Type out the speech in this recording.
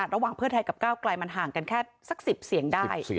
ระหว่างเพื่อไทยกับก้าวไกลมันห่างกันแค่สัก๑๐เสียงได้